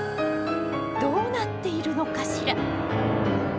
どうなっているのかしら？